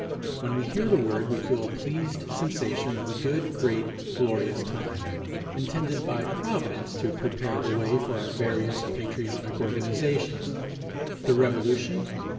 When we hear the word we feel a pleased sensation of a good, great, glorious time, intended by Providence to prepare the way for our various patriotic organizations. The Revolution?